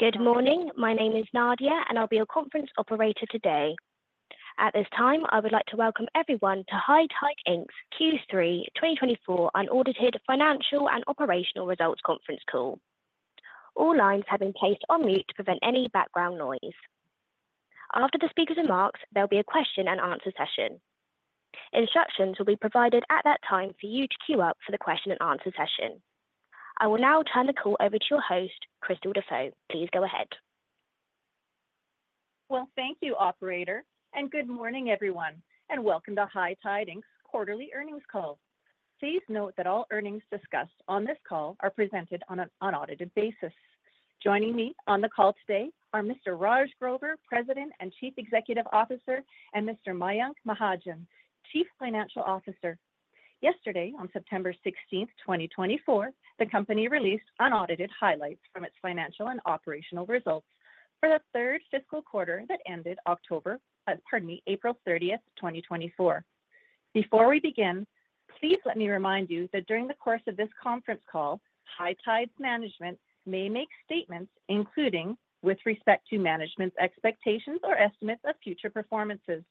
Good morning. My name is Nadia, and I'll be your conference operator today. At this time, I would like to welcome everyone to High Tide Inc's Q3 2024 Unaudited Financial and Operational Results Conference Call. All lines have been placed on mute to prevent any background noise. After the speaker's remarks, there'll be a question and answer session. Instructions will be provided at that time for you to queue up for the question and answer session. I will now turn the call over to your host, Krystal Dafoe. Please go ahead. Thank you, operator, and good morning, everyone, and welcome to High Tide Inc's quarterly earnings call. Please note that all earnings discussed on this call are presented on an unaudited basis. Joining me on the call today are Mr. Raj Grover, President and Chief Executive Officer, and Mr. Mayank Mahajan, Chief Financial Officer. Yesterday, on September 16th, 2024, the company released unaudited highlights from its financial and operational results for the third fiscal quarter that ended October, pardon me, April 30th, 2024. Before we begin, please let me remind you that during the course of this conference call, High Tide's management may make statements, including with respect to management's expectations or estimates of future performances.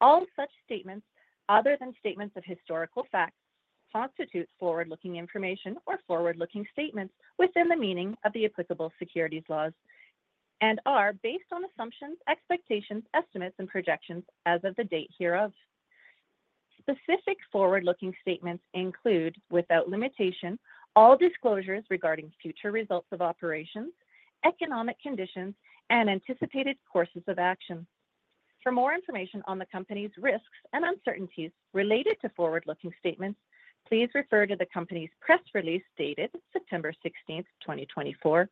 All such statements, other than statements of historical facts, constitute forward-looking information or forward-looking statements within the meaning of the applicable securities laws, and are based on assumptions, expectations, estimates, and projections as of the date hereof. Specific forward-looking statements include, without limitation, all disclosures regarding future results of operations, economic conditions, and anticipated courses of action. For more information on the company's risks and uncertainties related to forward-looking statements, please refer to the company's press release dated September 16th, 2024,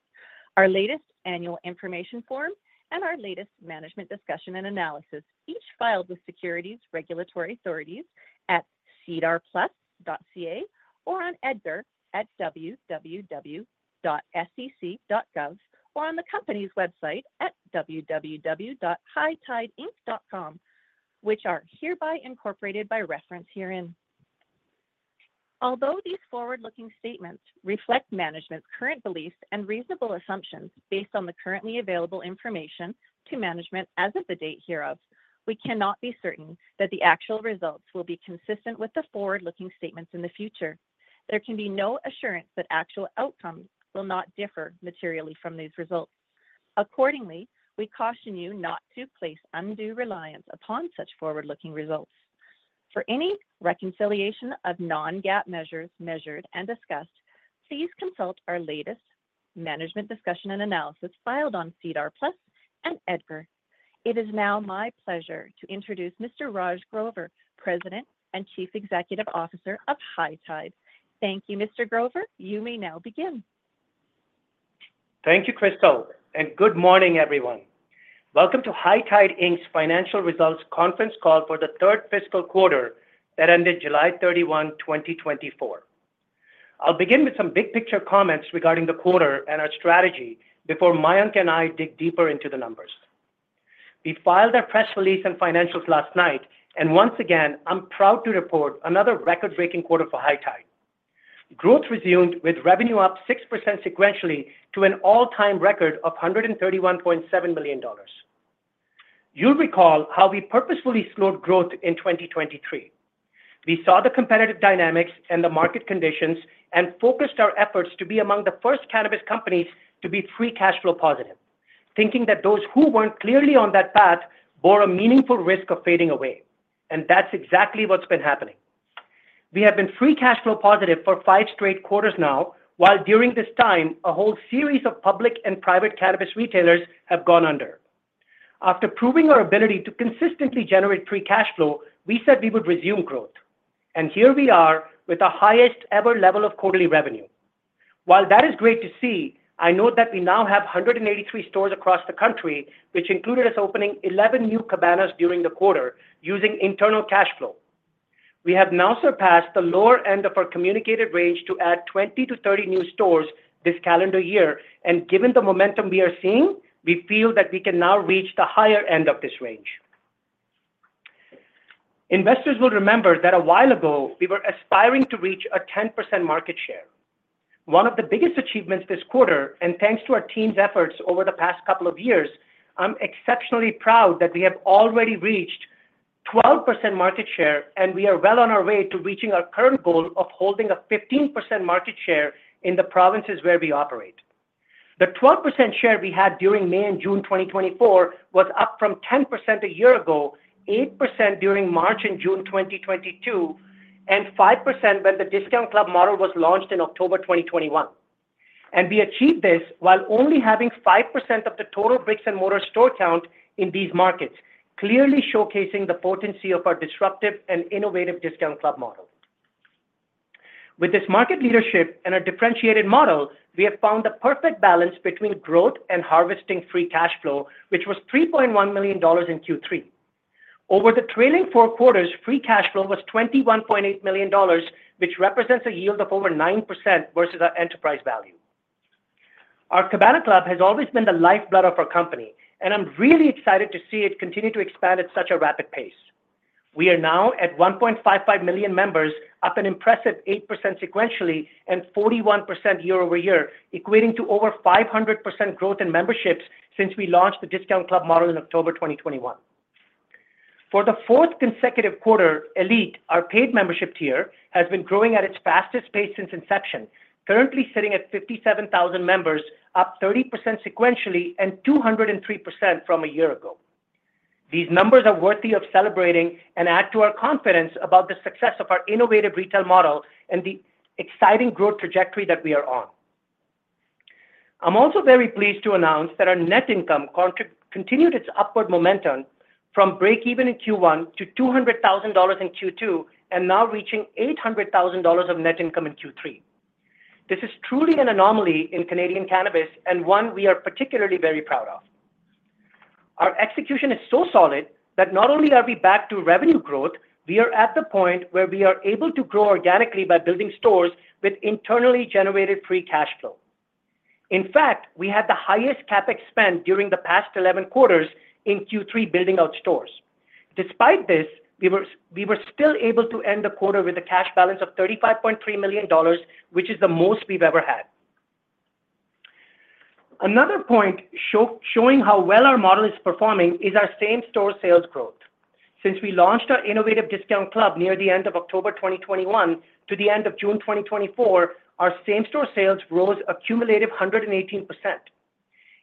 our latest Annual Information Form, and our latest Management Discussion and Analysis, each filed with securities regulatory authorities at sedarplus.ca or on EDGAR at www.sec.gov, or on the company's website at www.hightideinc.com, which are hereby incorporated by reference herein. Although these forward-looking statements reflect management's current beliefs and reasonable assumptions based on the currently available information to management as of the date hereof, we cannot be certain that the actual results will be consistent with the forward-looking statements in the future. There can be no assurance that actual outcomes will not differ materially from these results. Accordingly, we caution you not to place undue reliance upon such forward-looking results. For any reconciliation of non-GAAP measures, measured and discussed, please consult our latest Management Discussion and Analysis filed on SEDAR+ and EDGAR. It is now my pleasure to introduce Mr. Raj Grover, President and Chief Executive Officer of High Tide. Thank you, Mr. Grover. You may now begin. Thank you, Krystal, and good morning, everyone. Welcome to High Tide Inc's Financial Results conference call for the third fiscal quarter that ended July 31, 2024. I'll begin with some big picture comments regarding the quarter and our strategy before Mayank and I dig deeper into the numbers. We filed our press release and financials last night, and once again, I'm proud to report another record-breaking quarter for High Tide. Growth resumed with revenue up 6% sequentially to an all-time record of 131.7 million dollars. You'll recall how we purposefully slowed growth in 2023. We saw the competitive dynamics and the market conditions and focused our efforts to be among the first cannabis companies to be free cash flow positive, thinking that those who weren't clearly on that path bore a meaningful risk of fading away, and that's exactly what's been happening. We have been free cash flow positive for five straight quarters now, while during this time, a whole series of public and private cannabis retailers have gone under. After proving our ability to consistently generate free cash flow, we said we would resume growth, and here we are with the highest ever level of quarterly revenue. While that is great to see, I know that we now have 183 stores across the country, which included us opening 11 new Cabanas during the quarter using internal cash flow. We have now surpassed the lower end of our communicated range to add 20 to 30 new stores this calendar year, and given the momentum we are seeing, we feel that we can now reach the higher end of this range. Investors will remember that a while ago, we were aspiring to reach a 10% market share. One of the biggest achievements this quarter, and thanks to our team's efforts over the past couple of years, I'm exceptionally proud that we have already reached 12% market share, and we are well on our way to reaching our current goal of holding a 15% market share in the provinces where we operate. The 12% share we had during May and June 2024 was up from 10% a year ago, 8% during March and June 2022, and 5% when the discount club model was launched in October 2021, and we achieved this while only having 5% of the total brick-and-mortar store count in these markets, clearly showcasing the potency of our disruptive and innovative discount club model. With this market leadership and our differentiated model, we have found the perfect balance between growth and harvesting free cash flow, which was 3.1 million dollars in Q3. Over the trailing four quarters, free cash flow was 21.8 million dollars, which represents a yield of over 9% versus our enterprise value. Our Cabana Club has always been the lifeblood of our company, and I'm really excited to see it continue to expand at such a rapid pace. We are now at 1.55 million members, up an impressive 8% sequentially and 41% year-over-year, equating to over 500% growth in memberships since we launched the discount club model in October 2021. For the fourth consecutive quarter, ELITE, our paid membership tier, has been growing at its fastest pace since inception, currently sitting at 57,000 members, up 30% sequentially and 203% from a year ago. These numbers are worthy of celebrating and add to our confidence about the success of our innovative retail model and the exciting growth trajectory that we are on. I'm also very pleased to announce that our net income continued its upward momentum from breakeven in Q1 to 200,000 dollars in Q2, and now reaching 800,000 dollars of net income in Q3. This is truly an anomaly in Canadian cannabis, and one we are particularly very proud of. Our execution is so solid that not only are we back to revenue growth, we are at the point where we are able to grow organically by building stores with internally generated free cash flow. In fact, we had the highest CapEx spend during the past eleven quarters in Q3, building out stores. Despite this, we were still able to end the quarter with a cash balance of 35.3 million dollars, which is the most we've ever had. Another point showing how well our model is performing is our same-store sales growth. Since we launched our innovative discount club near the end of October 2021 to the end of June 2024, our same-store sales rose a cumulative 118%.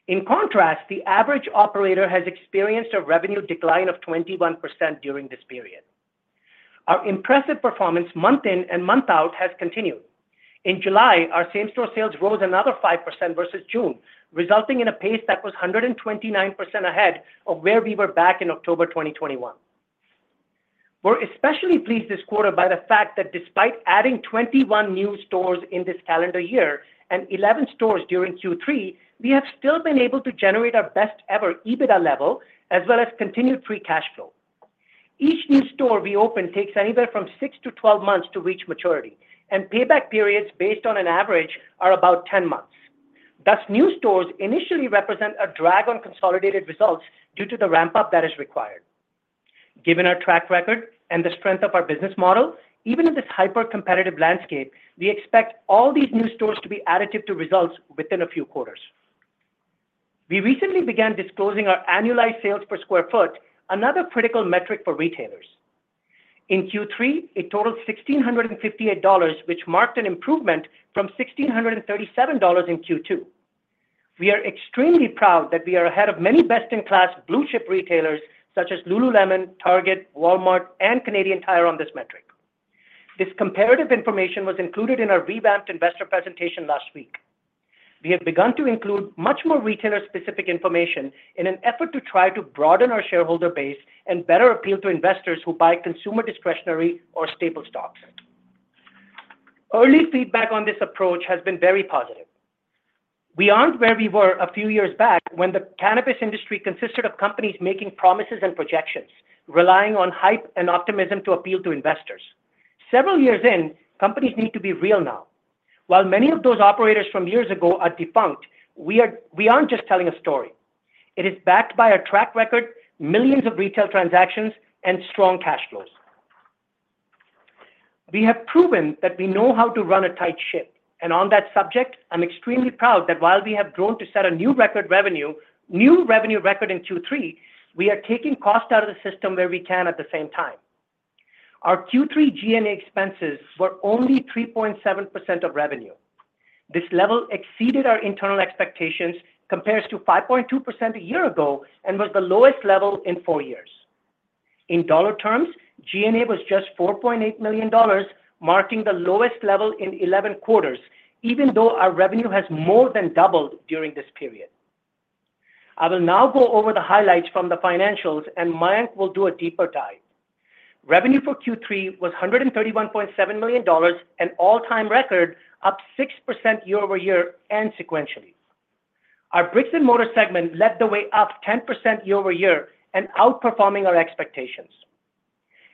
In contrast, the average operator has experienced a revenue decline of 21% during this period. Our impressive performance month in and month out has continued. In July, our same-store sales rose another 5% versus June, resulting in a pace that was 129% ahead of where we were back in October 2021. We're especially pleased this quarter by the fact that despite adding 21 new stores in this calendar year and 11 stores during Q3, we have still been able to generate our best-ever EBITDA level, as well as continued free cash flow. Each new store we open takes anywhere from 6 to 12 months to reach maturity, and payback periods based on an average are about 10 months. Thus, new stores initially represent a drag on consolidated results due to the ramp-up that is required. Given our track record and the strength of our business model, even in this hyper-competitive landscape, we expect all these new stores to be additive to results within a few quarters. We recently began disclosing our annualized sales per sq ft, another critical metric for retailers. In Q3, it totaled 1,658 dollars, which marked an improvement from 1,637 dollars in Q2. We are extremely proud that we are ahead of many best-in-class blue-chip retailers, such as Lululemon, Target, Walmart, and Canadian Tire on this metric. This comparative information was included in our revamped investor presentation last week. We have begun to include much more retailer-specific information in an effort to try to broaden our shareholder base and better appeal to investors who buy consumer discretionary or staple stocks. Early feedback on this approach has been very positive. We aren't where we were a few years back, when the cannabis industry consisted of companies making promises and projections, relying on hype and optimism to appeal to investors. Several years in, companies need to be real now. While many of those operators from years ago are defunct, we are - we aren't just telling a story. It is backed by our track record, millions of retail transactions, and strong cash flows. We have proven that we know how to run a tight ship, and on that subject, I'm extremely proud that while we have grown to set a new record revenue, new revenue record in Q3, we are taking cost out of the system where we can at the same time. Our Q3 G&A expenses were only 3.7% of revenue. This level exceeded our internal expectations, compares to 5.2% a year ago, and was the lowest level in four years. In dollar terms, G&A was just 4.8 million dollars, marking the lowest level in 11 quarters, even though our revenue has more than doubled during this period. I will now go over the highlights from the financials, and Mayank will do a deeper dive. Revenue for Q3 was 131.7 million dollars, an all-time record, up 6% year-over-year and sequentially. Our brick-and-mortar segment led the way up 10% year-over-year and outperforming our expectations.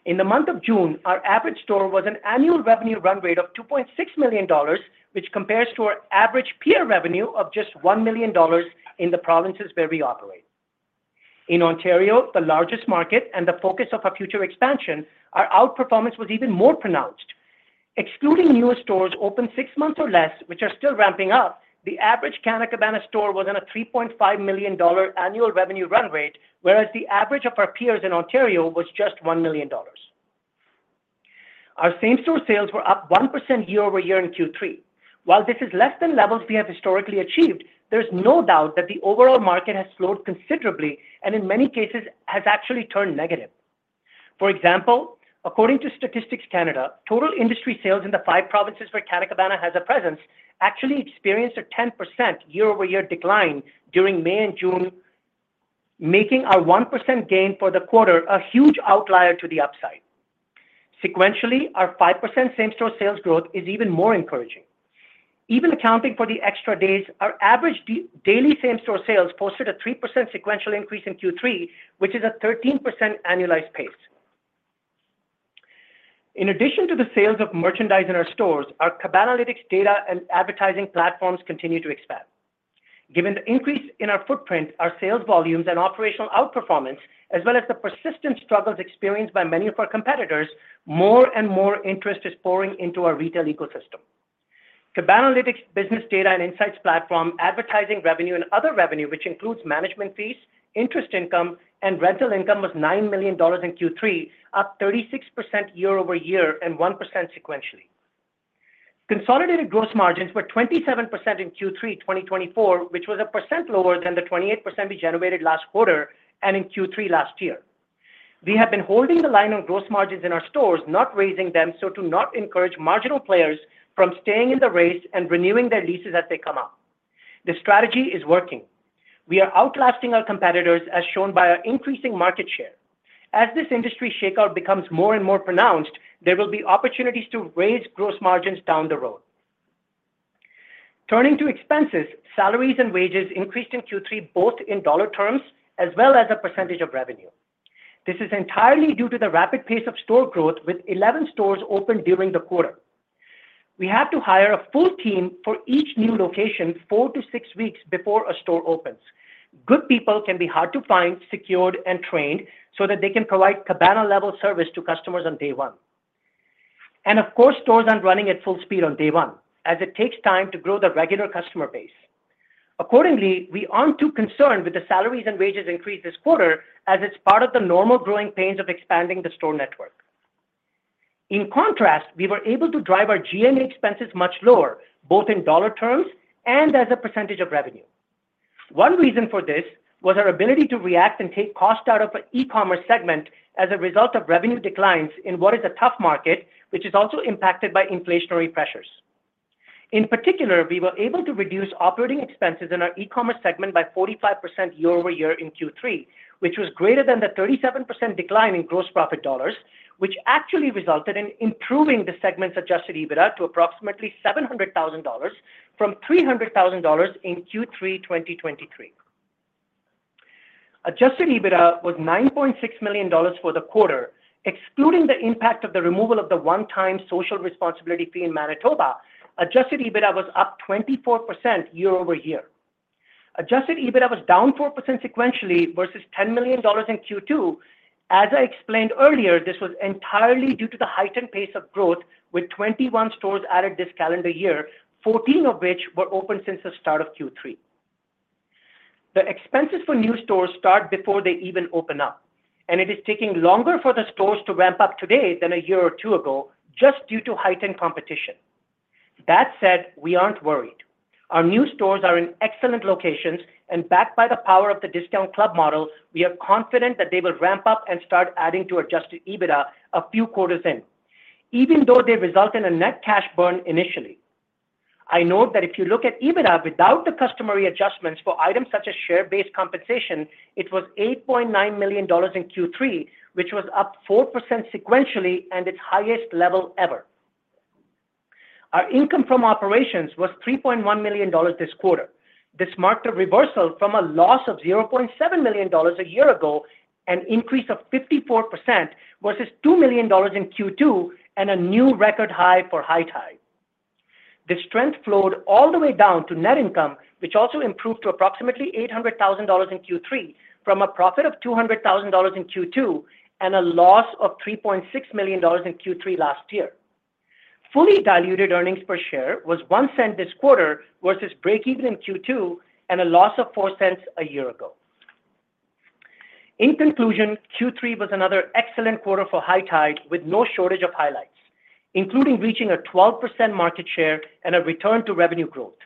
In the month of June, our average store was an annual revenue run rate of 2.6 million dollars, which compares to our average peer revenue of just 1 million dollars in the provinces where we operate. In Ontario, the largest market and the focus of our future expansion, our outperformance was even more pronounced. Excluding newer stores opened six months or less, which are still ramping up, the average Canna Cabana store was in a 3.5 million dollar annual revenue run rate, whereas the average of our peers in Ontario was just 1 million dollars. Our same-store sales were up 1% year-over-year in Q3. While this is less than levels we have historically achieved, there's no doubt that the overall market has slowed considerably and in many cases has actually turned negative. For example, according to Statistics Canada, total industry sales in the five provinces where Canna Cabana has a presence actually experienced a 10% year-over-year decline during May and June, making our 1% gain for the quarter a huge outlier to the upside. Sequentially, our 5% same-store sales growth is even more encouraging. Even accounting for the extra days, our average daily same-store sales posted a 3% sequential increase in Q3, which is a 13% annualized pace. In addition to the sales of merchandise in our stores, our Cabanalytics data and advertising platforms continue to expand. Given the increase in our footprint, our sales volumes, and operational outperformance, as well as the persistent struggles experienced by many of our competitors, more and more interest is pouring into our retail ecosystem. Cabanalytics Business Data and Insights platform, advertising revenue, and other revenue, which includes management fees, interest income, and rental income, was 9 million dollars in Q3, up 36% year-over-year and 1% sequentially. Consolidated gross margins were 27% in Q3 2024, which was 1% lower than the 28% we generated last quarter and in Q3 last year. We have been holding the line on gross margins in our stores, not raising them, so to not encourage marginal players from staying in the race and renewing their leases as they come up. The strategy is working. We are outlasting our competitors, as shown by our increasing market share. As this industry shakeout becomes more and more pronounced, there will be opportunities to raise gross margins down the road. Turning to expenses, salaries and wages increased in Q3, both in dollar terms as well as a percentage of revenue. This is entirely due to the rapid pace of store growth, with 11 stores opened during the quarter. We have to hire a full team for each new location four to six weeks before a store opens. Good people can be hard to find, secured, and trained, so that they can provide Cabana-level service to customers on day one. And of course, stores aren't running at full speed on day one, as it takes time to grow the regular customer base. Accordingly, we aren't too concerned with the salaries and wages increase this quarter, as it's part of the normal growing pains of expanding the store network. In contrast, we were able to drive our G&A expenses much lower, both in dollar terms and as a percentage of revenue. One reason for this was our ability to react and take costs out of our e-commerce segment as a result of revenue declines in what is a tough market, which is also impacted by inflationary pressures. In particular, we were able to reduce operating expenses in our e-commerce segment by 45% year-over-year in Q3, which was greater than the 37% decline in gross profit dollars, which actually resulted in improving the segment's adjusted EBITDA to approximately 700,000 dollars from 300,000 dollars in Q3 2023. Adjusted EBITDA was 9.6 million dollars for the quarter. Excluding the impact of the removal of the one-time Social Responsibility Fee in Manitoba, adjusted EBITDA was up 24% year-over-year. Adjusted EBITDA was down 4% sequentially versus 10 million dollars in Q2. As I explained earlier, this was entirely due to the heightened pace of growth, with 21 stores added this calendar year, 14 of which were opened since the start of Q3. The expenses for new stores start before they even open up, and it is taking longer for the stores to ramp up today than a year or two ago, just due to heightened competition. That said, we aren't worried. Our new stores are in excellent locations, and backed by the power of the discount club model, we are confident that they will ramp up and start adding to Adjusted EBITDA a few quarters in, even though they result in a net cash burn initially. I note that if you look at EBITDA without the customary adjustments for items such as share-based compensation, it was 8.9 million dollars in Q3, which was up 4% sequentially and its highest level ever. Our income from operations was 3.1 million dollars this quarter. This marked a reversal from a loss of 700,000 dollars a year ago, an increase of 54% versus 2 million dollars in Q2 and a new record high for High Tide. The strength flowed all the way down to net income, which also improved to approximately 800,000 dollars in Q3, from a profit of 200,000 dollars in Q2 and a loss of 3.6 million dollars in Q3 last year. Fully diluted earnings per share was 0.01 this quarter versus breakeven in Q2 and a loss of 0.04 a year ago. In conclusion, Q3 was another excellent quarter for High Tide, with no shortage of highlights, including reaching a 12% market share and a return to revenue growth.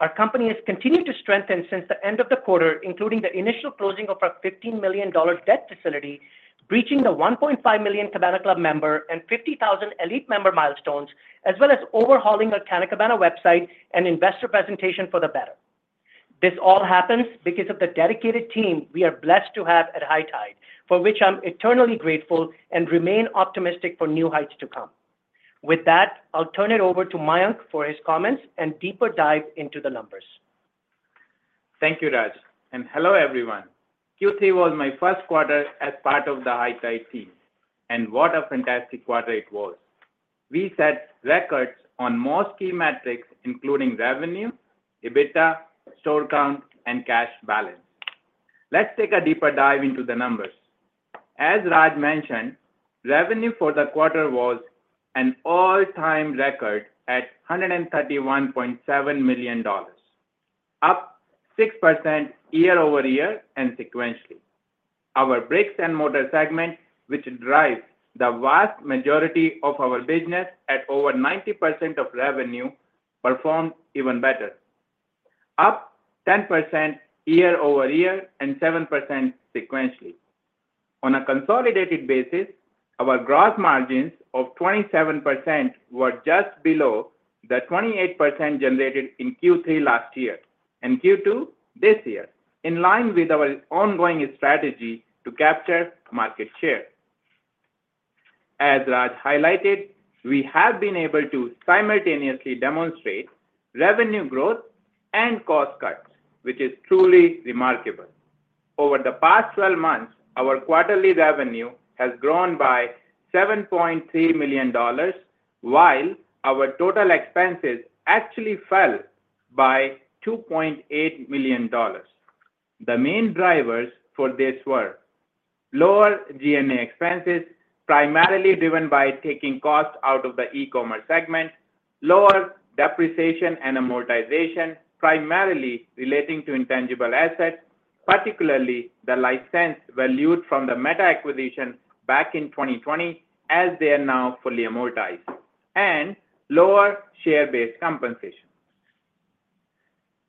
Our company has continued to strengthen since the end of the quarter, including the initial closing of our 15 million dollars debt facility, reaching the 1.5 million Cabana Club member and 50,000 ELITE member milestones, as well as overhauling our Canna Cabana website and investor presentation for the better. This all happens because of the dedicated team we are blessed to have at High Tide, for which I'm eternally grateful and remain optimistic for new heights to come. With that, I'll turn it over to Mayank for his comments and deeper dive into the numbers. Thank you, Raj, and hello, everyone. Q3 was my first quarter as part of the High Tide team, and what a fantastic quarter it was. We set records on more key metrics, including revenue, EBITDA, store count, and cash balance. Let's take a deeper dive into the numbers. As Raj mentioned, revenue for the quarter was an all-time record at 131.7 million dollars, up 6% year-over-year and sequentially. Our brick-and-mortar segment, which drives the vast majority of our business at over 90% of revenue, performed even better, up 10% year-over-year and 7% sequentially. On a consolidated basis, our gross margins of 27% were just below the 28% generated in Q3 last year and Q2 this year, in line with our ongoing strategy to capture market share. As Raj highlighted, we have been able to simultaneously demonstrate revenue growth and cost cuts, which is truly remarkable. Over the past twelve months, our quarterly revenue has grown by 7.3 million dollars, while our total expenses actually fell by 2.8 million dollars. The main drivers for this were: lower G&A expenses, primarily driven by taking costs out of the e-commerce segment, lower depreciation and amortization, primarily relating to intangible assets, particularly the license valued from the Meta acquisition back in 2020, as they are now fully amortized, and lower share-based compensation.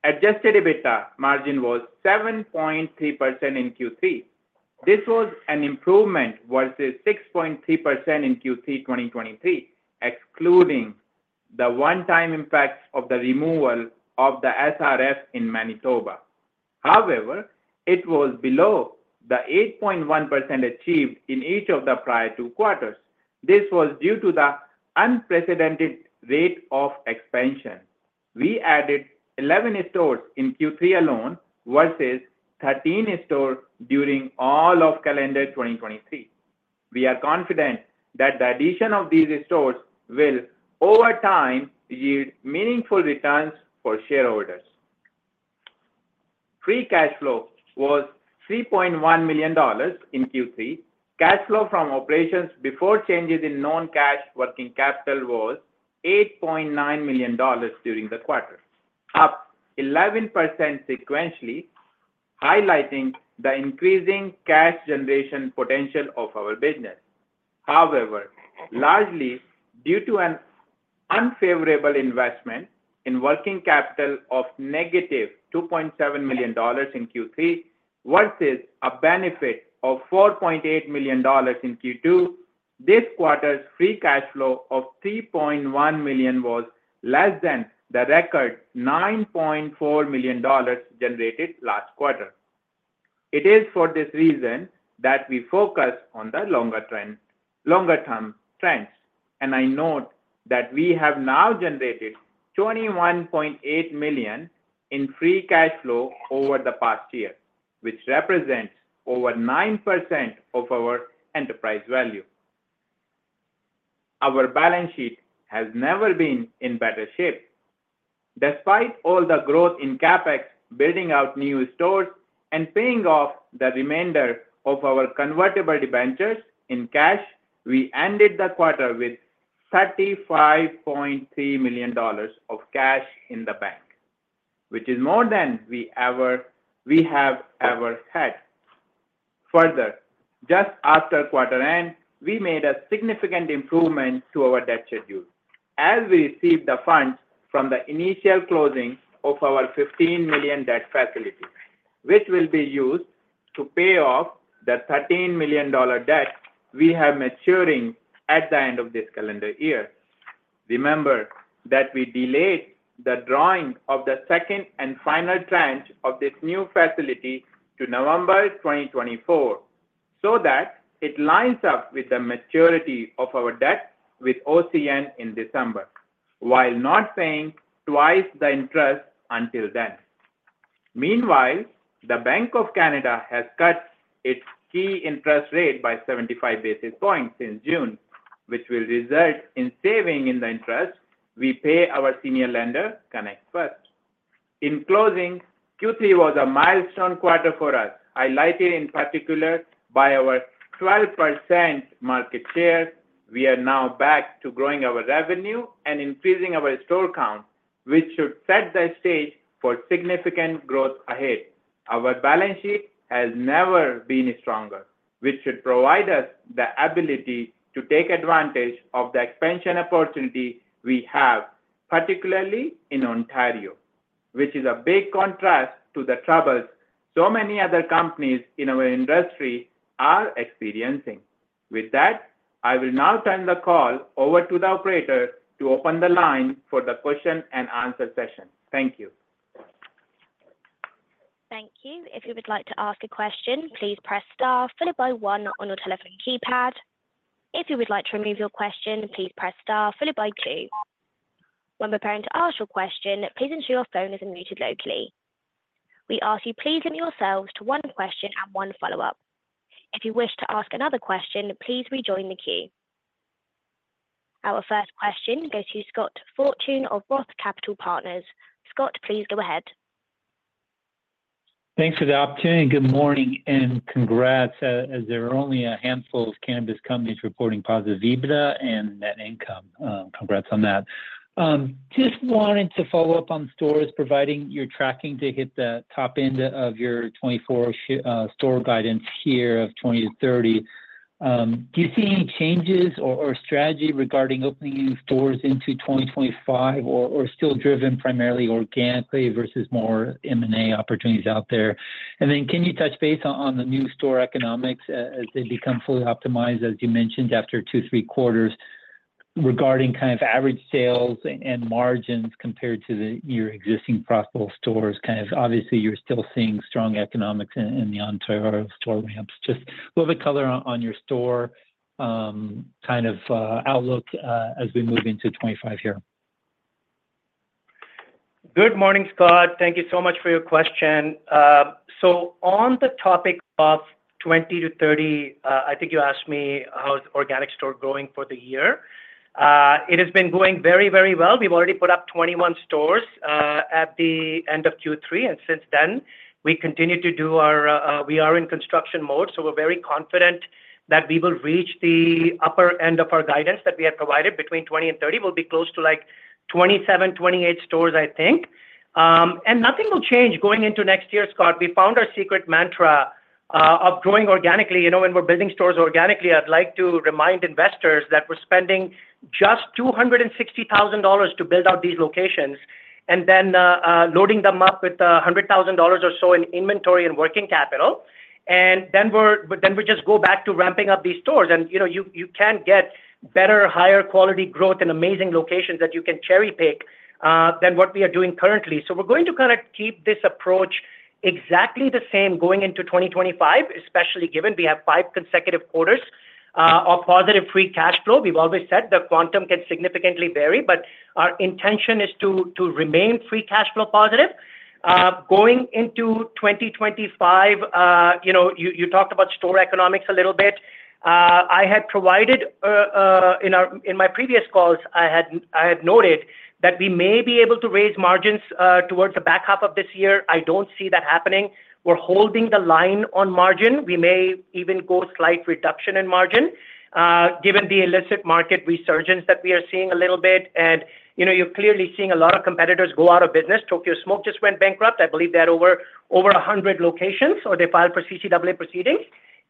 Adjusted EBITDA margin was 7.3% in Q3. This was an improvement versus 6.3% in Q3 2023, excluding the one-time impacts of the removal of the SRF in Manitoba. However, it was below the 8.1% achieved in each of the prior two quarters. This was due to the unprecedented rate of expansion. We added 11 stores in Q3 alone, versus 13 stores during all of calendar 2023. We are confident that the addition of these stores will, over time, yield meaningful returns for shareholders. Free cash flow was 3.1 million dollars in Q3. Cash flow from operations before changes in non-cash working capital was 8.9 million dollars during the quarter, up 11% sequentially, highlighting the increasing cash generation potential of our business. However, largely due to an unfavorable investment in working capital of negative 2.7 million dollars in Q3, versus a benefit of 4.8 million dollars in Q2, this quarter's free cash flow of 3.1 million was less than the record 9.4 million dollars generated last quarter. It is for this reason that we focus on the longer trend, longer-term trends, and I note that we have now generated 21.8 million in free cash flow over the past year, which represents over 9% of our enterprise value. Our balance sheet has never been in better shape. Despite all the growth in CapEx, building out new stores, and paying off the remainder of our convertible debentures in cash, we ended the quarter with 35.3 million dollars of cash in the bank, which is more than we have ever had. Further, just after quarter end, we made a significant improvement to our debt schedule as we received the funds from the initial closing of our 15 million debt facility, which will be used to pay off the 13 million dollar debt we have maturing at the end of this calendar year. Remember that we delayed the drawing of the second and final tranche of this new facility to November 2024, so that it lines up with the maturity of our debt with OCN in December, while not paying twice the interest until then. Meanwhile, the Bank of Canada has cut its key interest rate by 75 basis points in June, which will result in saving in the interest we pay our senior lender, Connect First. In closing, Q3 was a milestone quarter for us. I highlighted in particular, by our 12% market share, we are now back to growing our revenue and increasing our store count, which should set the stage for significant growth ahead. Our balance sheet has never been stronger, which should provide us the ability to take advantage of the expansion opportunity we have, particularly in Ontario, which is a big contrast to the troubles so many other companies in our industry are experiencing. With that, I will now turn the call over to the operator to open the line for the question and answer session. Thank you. Thank you. If you would like to ask a question, please press star followed by one on your telephone keypad. If you would like to remove your question, please press star followed by two. When preparing to ask your question, please ensure your phone isn't muted locally. We ask you please limit yourselves to one question and one follow-up. If you wish to ask another question, please rejoin the queue. Our first question goes to Scott Fortune of Roth Capital Partners. Scott, please go ahead. Thanks for the opportunity. Good morning, and congrats, as there are only a handful of cannabis companies reporting positive EBITDA and net income. Congrats on that. Just wanted to follow up on stores, providing you're tracking to hit the top end of your 2024 store guidance here of 20, 30. Do you see any changes or strategy regarding opening new stores into 2025 or still driven primarily organically versus more M&A opportunities out there? And then can you touch base on the new store economics as they become fully optimized, as you mentioned, after two, three quarters, regarding kind of average sales and margins compared to your existing profitable stores? Kind of obviously, you're still seeing strong economics in the Ontario store ramps. Just a little bit color on your store kind of outlook as we move into 2025 here. Good morning, Scott. Thank you so much for your question, so on the topic of 20 to 30, I think you asked me how's organic store going for the year? It has been going very, very well. We've already put up 21 stores at the end of Q3, and since then, we continue to do our, we are in construction mode, so we're very confident that we will reach the upper end of our guidance that we have provided between 20 and 30. We'll be close to, like, 27, 28 stores, I think, and nothing will change going into next year, Scott. We found our secret mantra of growing organically. You know, when we're building stores organically, I'd like to remind investors that we're spending just 260,000 dollars to build out these locations, and then loading them up with 100,000 dollars or so in inventory and working capital. And then we're, then we just go back to ramping up these stores. And, you know, you, you can't get better, higher quality growth and amazing locations that you can cherry-pick than what we are doing currently. So we're going to kinda keep this approach exactly the same going into 2025, especially given we have five consecutive quarters of positive free cash flow. We've always said the quantum can significantly vary, but our intention is to remain free cash flow positive. Going into 2025, you know, you, you talked about store economics a little bit. I had provided in my previous calls, I had noted that we may be able to raise margins towards the back half of this year. I don't see that happening. We're holding the line on margin. We may even go slight reduction in margin given the illicit market resurgence that we are seeing a little bit. And, you know, you're clearly seeing a lot of competitors go out of business. Tokyo Smoke just went bankrupt. I believe they had over 100 locations, or they filed for CCAA proceedings.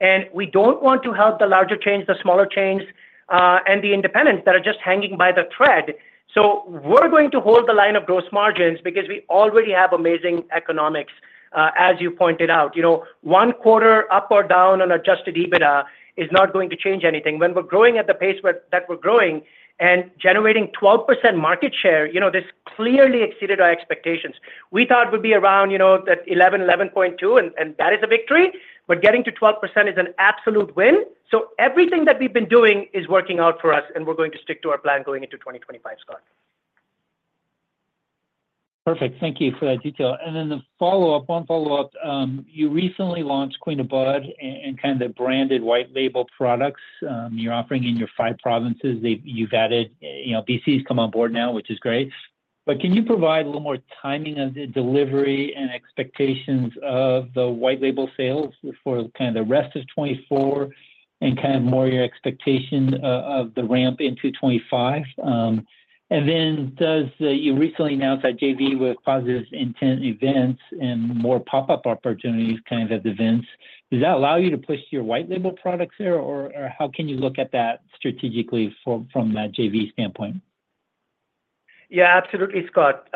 And we don't want to help the larger chains, the smaller chains, and the independents that are just hanging by the thread. So we're going to hold the line of gross margins because we already have amazing economics as you pointed out. You know, one quarter up or down on Adjusted EBITDA is not going to change anything. When we're growing at the pace we're growing and generating 12% market share, you know, this clearly exceeded our expectations. We thought we'd be around, you know, that 11, 11.2, and that is a victory, but getting to 12% is an absolute win. So everything that we've been doing is working out for us, and we're going to stick to our plan going into 2025, Scott. Perfect. Thank you for that detail, and then the follow-up, one follow-up. You recently launched Queen of Bud and kind of branded white label products you're offering in your five provinces. You've added, you know, BC's come on board now, which is great. But can you provide a little more timing of the delivery and expectations of the white label sales for kind of the rest of 2024 and kind of more your expectation of the ramp into 2025? And then you recently announced that JV with Positive Intent Events and more pop-up opportunities, kind of events. Does that allow you to push your white label products there, or how can you look at that strategically from a JV standpoint? Yeah, absolutely, Scott.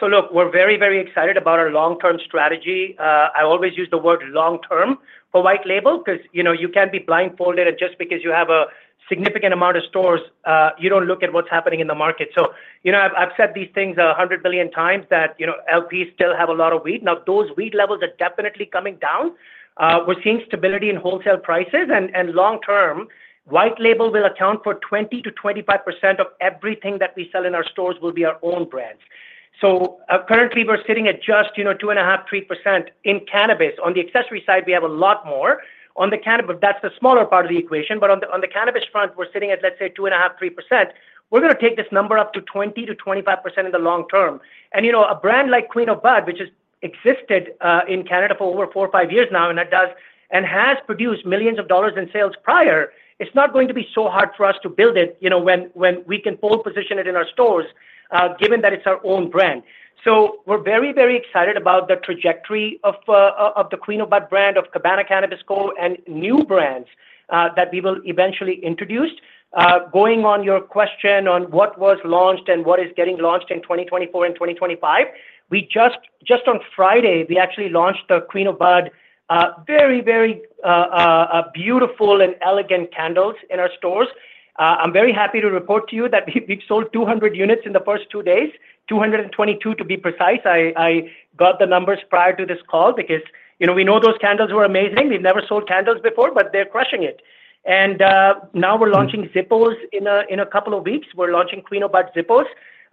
So look, we're very, very excited about our long-term strategy. I always use the word long term for white label, because, you know, you can't be blindfolded, and just because you have a significant amount of stores, you don't look at what's happening in the market. So, you know, I've said these things a hundred billion times that, you know, LPs still have a lot of weed. Now, those weed levels are definitely coming down. We're seeing stability in wholesale prices, and long term, white label will account for 20%-25% of everything that we sell in our stores will be our own brands. So, currently, we're sitting at just, you know, 2.5%-3% in cannabis. On the accessory side, we have a lot more. On the cannabis, that's the smaller part of the equation, but on the cannabis front, we're sitting at, let's say, 2.5%-3%. We're gonna take this number up to 20%-25% in the long term. And, you know, a brand like Queen of Bud, which has existed in Canada for over four or five years now, and that does, and has produced millions of dollars in sales prior, it's not going to be so hard for us to build it, you know, when we can pole position it in our stores, given that it's our own brand. So we're very, very excited about the trajectory of the Queen of Bud brand, of Cabana Cannabis Co, and new brands that we will eventually introduce. Going on your question on what was launched and what is getting launched in 2024 and 2025, we just on Friday we actually launched the Queen of Bud very beautiful and elegant candles in our stores. I'm very happy to report to you that we've sold 200 units in the first two days, 222, to be precise. I got the numbers prior to this call because, you know, we know those candles were amazing. We've never sold candles before, but they're crushing it. And now we're launching Zippos in a couple of weeks. We're launching Queen of Bud Zippos.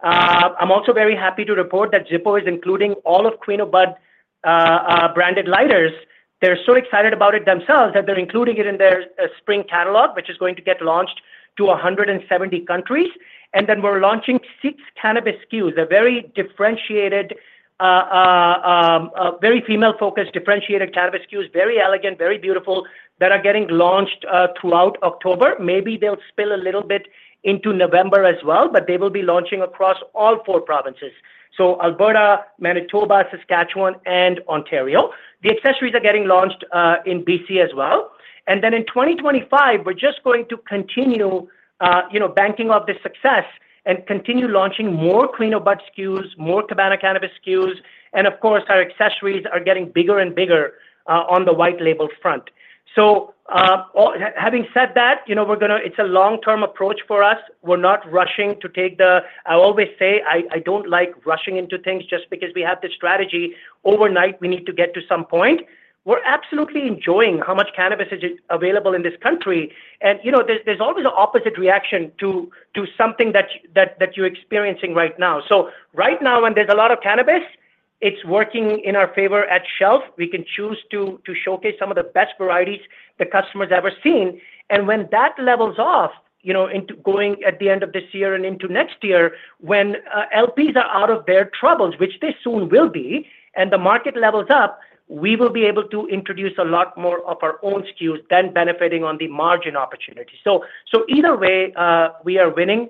I'm also very happy to report that Zippo is including all of Queen of Bud branded lighters. They're so excited about it themselves that they're including it in their spring catalog, which is going to get launched to a hundred and seventy countries. And then we're launching six cannabis SKUs. They're very differentiated, very female-focused, differentiated cannabis SKUs, very elegant, very beautiful, that are getting launched throughout October. Maybe they'll spill a little bit into November as well, but they will be launching across all four provinces, so Alberta, Manitoba, Saskatchewan, and Ontario. The accessories are getting launched in BC as well. And then in 2025, we're just going to continue, you know, banking off this success and continue launching more Queen of Bud SKUs, more Cabana Cannabis SKUs, and of course, our accessories are getting bigger and bigger on the white label front. So, all... Having said that, you know, we're gonna-- it's a long-term approach for us. We're not rushing to take the-- I always say I don't like rushing into things just because we have the strategy overnight, we need to get to some point. We're absolutely enjoying how much cannabis is available in this country. And, you know, there's always an opposite reaction to something that you're experiencing right now. So right now, when there's a lot of cannabis, it's working in our favor at shelf. We can choose to showcase some of the best varieties the customer's ever seen. And when that levels off, you know, into going at the end of this year and into next year, when LPs are out of their troubles, which they soon will be, and the market levels up, we will be able to introduce a lot more of our own SKUs, then benefiting on the margin opportunity. So either way, we are winning.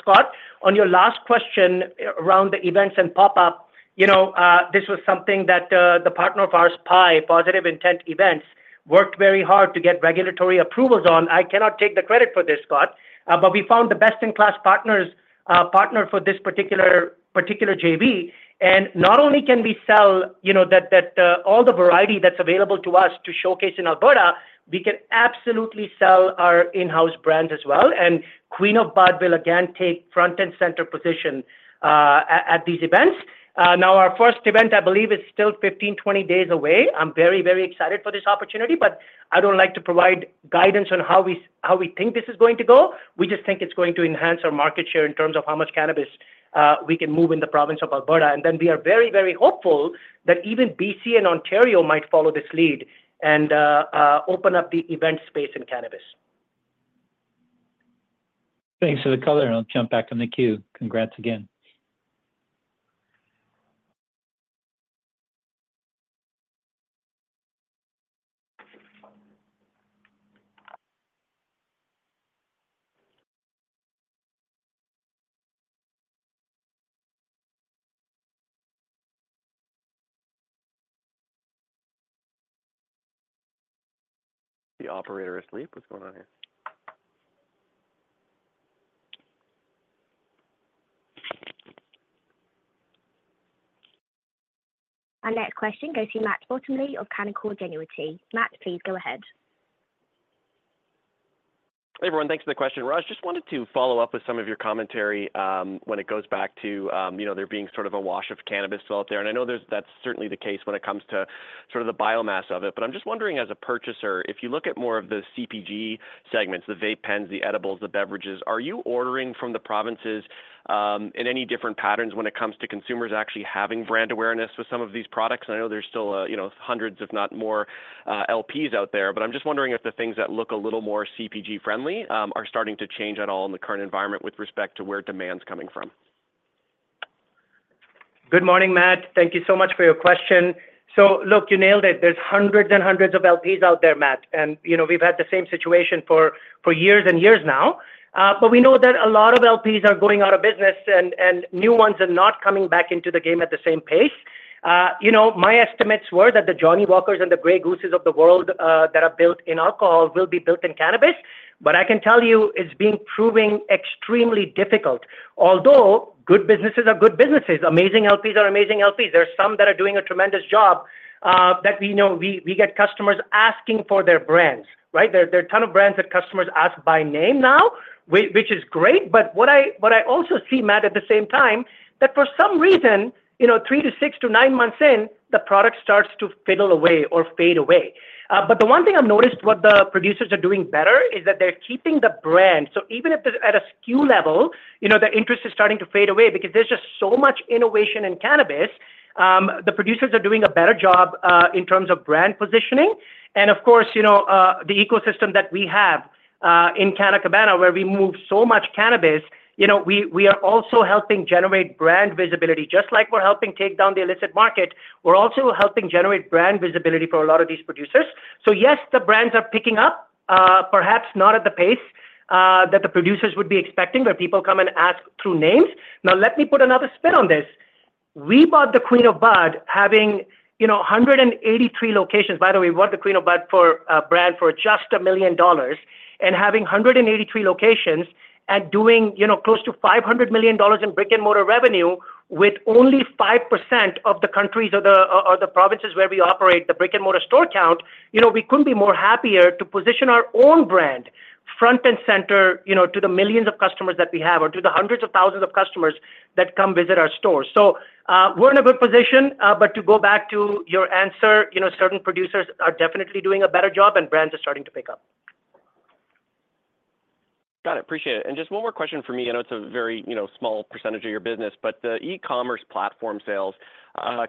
Scott, on your last question around the events and pop-up, you know, this was something that the partner of ours, PIE, Positive Intent Events, worked very hard to get regulatory approvals on. I cannot take the credit for this, Scott, but we found the best-in-class partners, partner for this particular JV. And not only can we sell, you know, that all the variety that's available to us to showcase in Alberta, we can absolutely sell our in-house brand as well, and Queen of Bud will again take front and center position at these events. Now, our first event, I believe, is still 15, 20 days away. I'm very, very excited for this opportunity, but I don't like to provide guidance on how we think this is going to go. We just think it's going to enhance our market share in terms of how much cannabis we can move in the province of Alberta. And then we are very, very hopeful that even BC and Ontario might follow this lead and open up the event space in cannabis. Thanks for the color, and I'll jump back in the queue. Congrats again. The operator asleep? What's going on here? Our next question goes to Matt Bottomley of Canaccord Genuity. Matt, please go ahead. Hey, everyone. Thanks for the question. Raj, just wanted to follow up with some of your commentary, when it goes back to, you know, there being sort of a wash of cannabis still out there. And I know there's, that's certainly the case when it comes to sort of the biomass of it. But I'm just wondering, as a purchaser, if you look at more of the CPG segments, the vape pens, the edibles, the beverages, are you ordering from the provinces, in any different patterns when it comes to consumers actually having brand awareness with some of these products? I know there's still, you know, hundreds, if not more, LPs out there, but I'm just wondering if the things that look a little more CPG friendly, are starting to change at all in the current environment with respect to where demand's coming from. Good morning, Matt. Thank you so much for your question. So look, you nailed it. There's hundreds and hundreds of LPs out there, Matt, and, you know, we've had the same situation for years and years now. But we know that a lot of LPs are going out of business, and new ones are not coming back into the game at the same pace. You know, my estimates were that the Johnnie Walkers and the Grey Gooses of the world that are built in alcohol will be built in cannabis. But I can tell you it's been proving extremely difficult, although good businesses are good businesses, amazing LPs are amazing LPs. There are some that are doing a tremendous job that we know. We get customers asking for their brands, right? There are a ton of brands that customers ask by name now, which is great, but what I also see, Matt, at the same time, that for some reason, you know, three to six to nine months in, the product starts to fizzle away or fade away. But the one thing I've noticed, what the producers are doing better is that they're keeping the brand. So even if at a SKU level, you know, their interest is starting to fade away because there's just so much innovation in cannabis, the producers are doing a better job in terms of brand positioning. And of course, you know, the ecosystem that we have in Canna Cabana, where we move so much cannabis, you know, we are also helping generate brand visibility. Just like we're helping take down the illicit market, we're also helping generate brand visibility for a lot of these producers. So yes, the brands are picking up, perhaps not at the pace that the producers would be expecting, where people come and ask through names. Now, let me put another spin on this. We bought the Queen of Bud, having, you know, a 183 locations. By the way, we bought the Queen of Bud brand for just 1 million dollars and having 183 locations and doing, you know, close to 500 million dollars in brick-and-mortar revenue with only 5% of the countries or the provinces where we operate, the brick-and-mortar store count, you know, we couldn't be more happier to position our own brand front and center, you know, to the millions of customers that we have or to the hundreds of thousands of customers that come visit our stores. So, we're in a good position, but to go back to your answer, you know, certain producers are definitely doing a better job, and brands are starting to pick up. Got it. Appreciate it, and just one more question from me. I know it's a very, you know, small percentage of your business, but the e-commerce platform sales,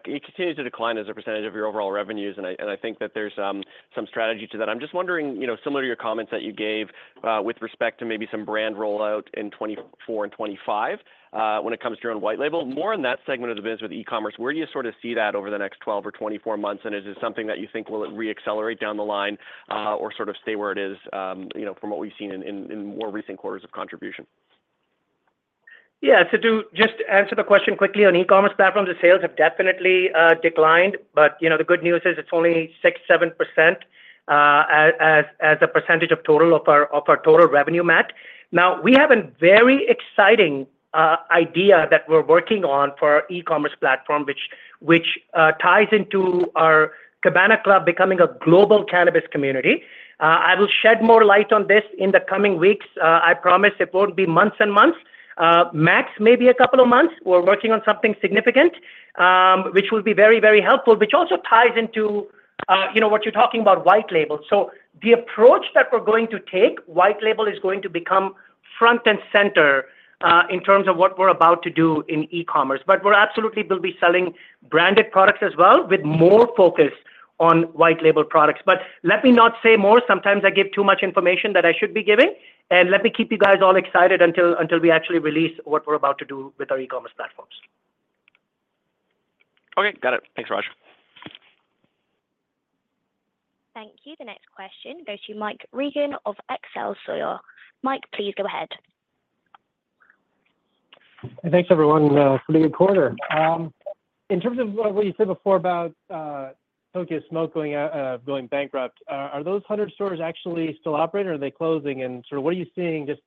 it continues to decline as a percentage of your overall revenues, and I, and I think that there's some strategy to that. I'm just wondering, you know, similar to your comments that you gave with respect to maybe some brand rollout in 2024 and 2025, when it comes to your own white label, more on that segment of the business with e-commerce, where do you sort of see that over the next 12 or 24 months? And is it something that you think will re-accelerate down the line, or sort of stay where it is, you know, from what we've seen in more recent quarters of contribution? Yeah. So to just answer the question quickly, on e-commerce platforms, the sales have definitely declined, but you know, the good news is it's only 6%-7% as a percentage of our total revenue, Matt. Now, we have a very exciting idea that we're working on for our e-commerce platform, which ties into our Cabana Club becoming a global cannabis community. I will shed more light on this in the coming weeks. I promise it won't be months and months. Max, maybe a couple of months. We're working on something significant, which will be very, very helpful, which also ties into you know what you're talking about white label. So the approach that we're going to take, white label is going to become front and center in terms of what we're about to do in e-commerce. But we're absolutely will be selling branded products as well, with more focus on white label products. But let me not say more. Sometimes I give too much information that I should be giving, and let me keep you guys all excited until we actually release what we're about to do with our e-commerce platforms. Okay, got it. Thanks, Raj. Thank you. The next question goes to Mike Regan of Excelsior. Mike, please go ahead. Thanks, everyone, for the good quarter. In terms of what you said before about Tokyo Smoke going out, going bankrupt, are those hundred stores actually still operating or are they closing? And sort of what are you seeing just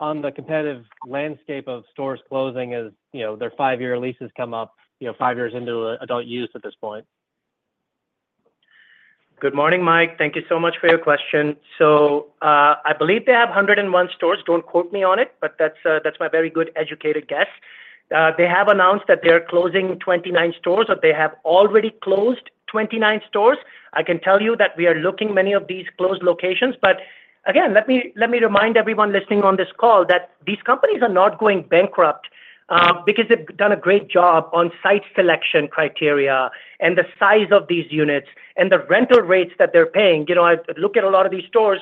on the competitive landscape of stores closing as you know their five-year leases come up, you know, five years into adult use at this point? Good morning, Mike. Thank you so much for your question. So, I believe they have 101 stores. Don't quote me on it, but that's, that's my very good educated guess. They have announced that they're closing 29 stores, or they have already closed 29 stores. I can tell you that we are looking many of these closed locations, but again, let me, let me remind everyone listening on this call that these companies are not going bankrupt, because they've done a great job on site selection criteria and the size of these units and the rental rates that they're paying. You know, I look at a lot of these stores,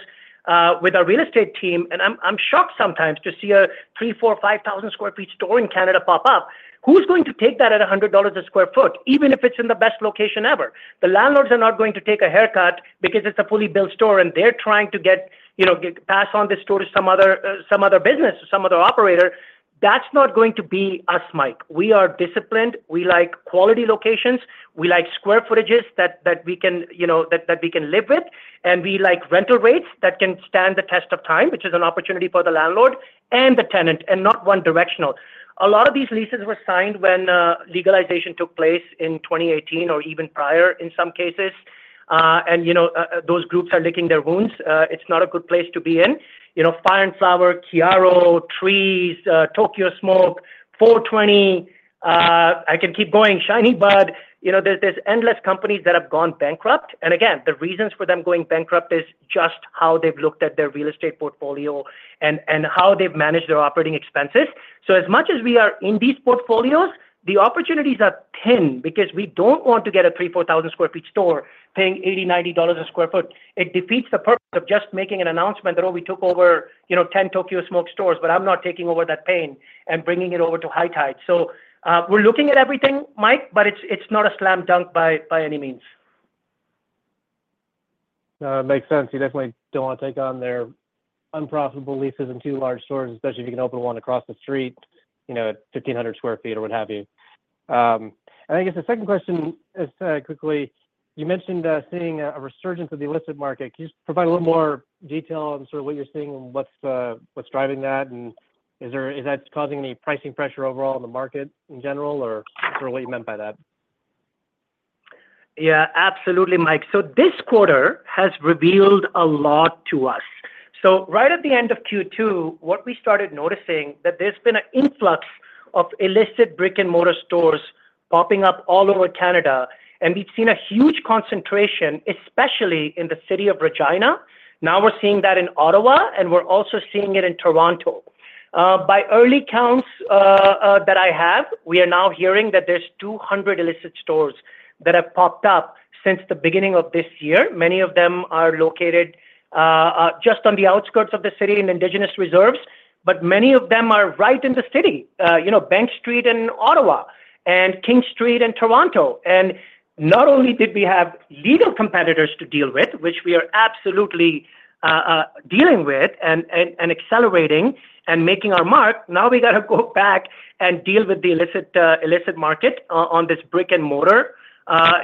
with our real estate team, and I'm, I'm shocked sometimes to see a 3,000, 4,000, 5,000 sq ft store in Canada pop up. Who's going to take that at 100 dollars a sq ft, even if it's in the best location ever? The landlords are not going to take a haircut because it's a fully built store, and they're trying to get, you know, pass on the store to some other business or some other operator. That's not going to be us, Mike. We are disciplined. We like quality locations. We like square footages that we can, you know, live with, and we like rental rates that can stand the test of time, which is an opportunity for the landlord and the tenant, and not one directional. A lot of these leases were signed when legalization took place in 2018 or even prior in some cases, and, you know, those groups are licking their wounds. It's not a good place to be in. You know, Fire & Flower, Kiaro, Trees, Tokyo Smoke, FOUR20, I can keep going, ShinyBud, you know, there's endless companies that have gone bankrupt, and again, the reasons for them going bankrupt is just how they've looked at their real estate portfolio and how they've managed their operating expenses. So as much as we are in these portfolios, the opportunities are ten, because we don't want to get a 3-4 thousand sq ft store paying 80-90 dollars a sq ft. It defeats the purpose of just making an announcement that, oh, we took over, you know, 10 Tokyo Smoke stores, but I'm not taking over that pain and bringing it over to High Tide. So, we're looking at everything, Mike, but it's not a slam dunk by any means. Makes sense. You definitely don't want to take on their unprofitable leases and too large stores, especially if you can open one across the street, you know, at 1,500 sq ft or what have you. I guess the second question is, quickly, you mentioned seeing a resurgence of the illicit market. Can you just provide a little more detail on sort of what you're seeing and what's driving that, and is there... Is that causing any pricing pressure overall in the market in general, or sort of what you meant by that? Yeah, absolutely, Mike. So this quarter has revealed a lot to us. So right at the end of Q2, what we started noticing, that there's been an influx of illicit brick-and-mortar stores popping up all over Canada, and we've seen a huge concentration, especially in the city of Regina. Now we're seeing that in Ottawa, and we're also seeing it in Toronto. By early counts that I have, we are now hearing that there's 200 illicit stores that have popped up since the beginning of this year. Many of them are located just on the outskirts of the city in indigenous reserves, but many of them are right in the city, you know, Bank Street in Ottawa and King Street in Toronto. Not only did we have legal competitors to deal with, which we are absolutely dealing with and accelerating and making our mark. Now we gotta go back and deal with the illicit market on this brick-and-mortar